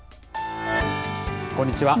こんにちは。